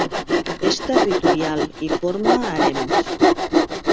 És territorial i forma harems.